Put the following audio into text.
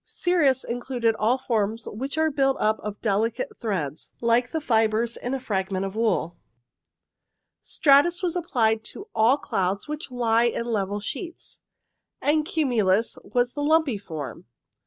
Cirrus included all forms which are built up of delicate threads, like the fibres in a fragment of wool ; Stratus was applied to all clouds which lie in level sheets ; and Cumulus was the lumpy form.